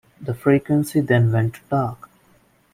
The frequency then went dark.